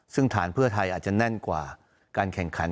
ซึ่งฐานเพื่อไทยอาจจะแน่นกว่าการแข่งขัน